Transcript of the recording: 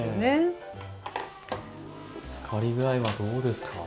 漬かり具合はどうですか？